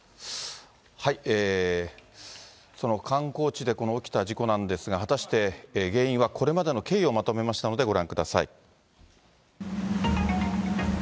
その観光地で起きた事故なんですが、果たして原因はこれまでの経緯をまとめましたのでご覧ください。